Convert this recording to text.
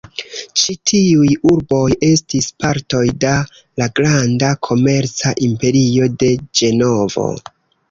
Ĉi tiuj urboj estis partoj da la granda komerca imperio de Ĝenovo.